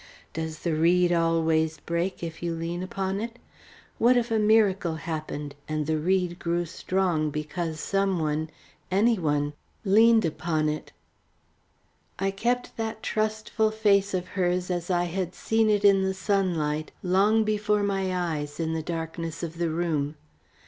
Does the reed always break if you lean upon it? What if a miracle happened and the reed grew strong because some one any one leaned upon it! I kept that trustful face of hers as I had seen it in the sunlight, long before my eyes in the darkness of the room.